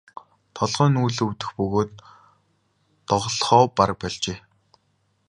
Толгой нь үл өвдөх бөгөөд доголохоо бараг больжээ.